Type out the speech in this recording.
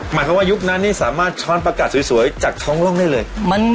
หมายความว่ายุคนั้นนี่สามารถช้อนประกาศสวยจากท้องร่องได้เลย